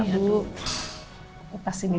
bu pasti besok enak sekali